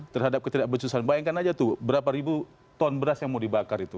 terhadap ketidakbecusan bayangkan aja tuh berapa ribu ton beras yang mau dibakar itu